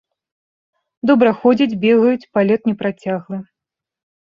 Добра ходзяць, бегаюць, палёт непрацяглы.